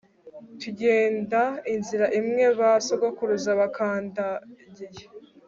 tugenda inzira imwe ba sogokuruza bakandagiye